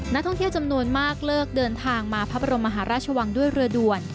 นักท่องเที่ยวจำนวนมากเลิกเดินทางมาพระบรมมหาราชวังด้วยเรือด่วน